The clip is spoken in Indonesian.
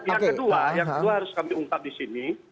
yang kedua yang kedua harus kami ungkap di sini